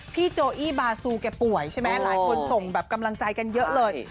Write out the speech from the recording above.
โจอี้บาซูแกป่วยใช่ไหมหลายคนส่งแบบกำลังใจกันเยอะเลย